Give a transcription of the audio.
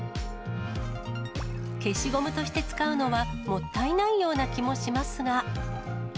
消しゴムとして使うのは、もったいないような気もしますが。